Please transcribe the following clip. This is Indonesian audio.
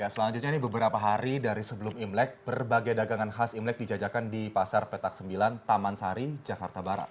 selanjutnya ini beberapa hari dari sebelum imlek berbagai dagangan khas imlek dijajakan di pasar petak sembilan taman sari jakarta barat